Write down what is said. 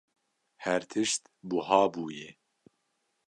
Her tişt buha bûye.